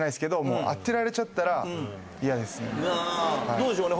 どうでしょうね？